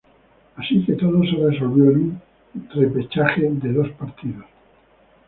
Así que todo se resolvió en un repechaje de dos partidos.